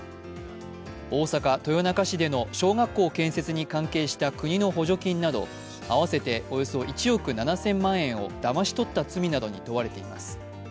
大阪・豊中市での小学校建設に関係した国の補助金など合わせておよそ１億７０００万円をだまし取った罪などに問われています。